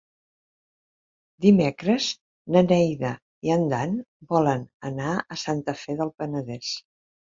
Dimecres na Neida i en Dan volen anar a Santa Fe del Penedès.